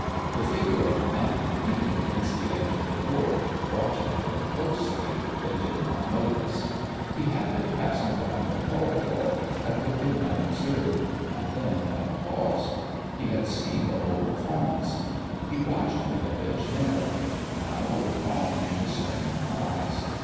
The figure of a man leaning against the edge of the door, watching them closely, they did not notice. He had been passing down the corridor, had looked in unobserved, and then had paused. He had seen the whole performance. He watched Binovitch narrowly, now with calm, discerning eyes.